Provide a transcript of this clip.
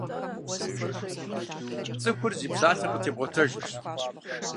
ЦӀыхур зи псалъэм къытебгъуэтэжырщ.